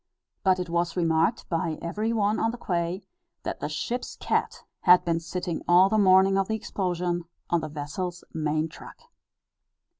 But it was remarked by every one on the quay, that the ship's cat had been sitting all the morning of the explosion, on the vessel's main truck.